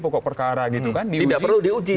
pokok perkara gitu kan perlu diuji